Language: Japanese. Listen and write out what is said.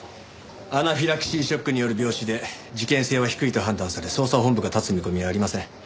アナフィラキシーショックによる病死で事件性は低いと判断され捜査本部が立つ見込みはありません。